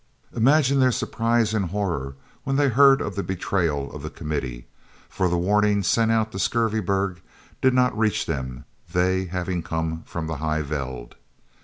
Imagine their surprise and horror when they heard of the betrayal of the Committee, for the warning sent out to Skurveberg did not reach them, they having come from the High Veld.